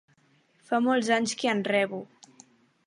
Fa molts anys, que en rebo.